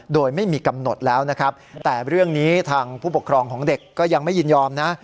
โดยไม่มีกำหนดแล้วนะครับแต่เรื่องนี้ทางผู้ปกครองของเด็กก็ยังไม่ยินยอมนะ